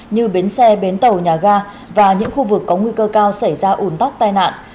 như bến xe bến tàu nhà ga và những khu vực có nguy cơ cao xảy ra ủn tắc tai nạn